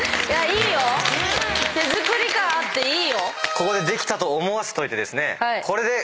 ここでできたと思わせといてですね。